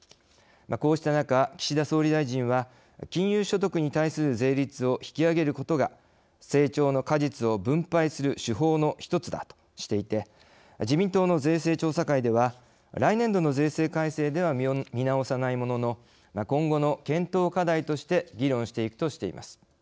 こうした中岸田総理大臣は金融所得に対する税率を引き上げることが成長の果実を分配する手法の一つだとしていて自民党の税制調査会では来年度の税制改正では見直さないものの今後の検討課題として議論していくとしています。